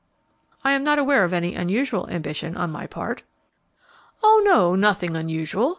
"I am not aware of any unusual ambition on my part." "Oh, no, nothing unusual.